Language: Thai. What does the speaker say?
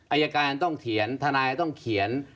อายการต้องเขียนทนายต้องเขียน